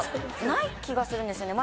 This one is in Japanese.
ない気がするんですよね。